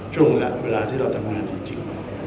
ช่วงเวลาที่เราทำงานจริง